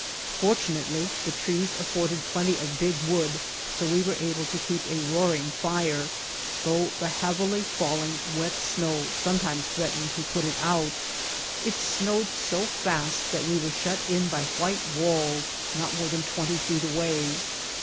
Fortunately the trees afforded plenty of big wood, so we were able to keep a roaring fire, though the heavily falling, wet snow sometimes threatened to put it out. It snowed so fast that we were shut in by white walls not more than twenty feet away.